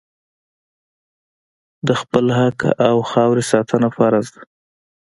د خپل حق او خاورې ساتنه فرض ده.